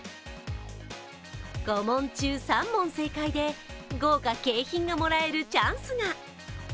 ５問中３問正解で豪華景品がもらえるチャンスが。